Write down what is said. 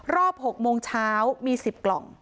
รอบ๖โมงเช้ามี๑๐กล่อง